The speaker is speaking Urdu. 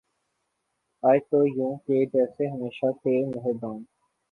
آئے تو یوں کہ جیسے ہمیشہ تھے مہرباں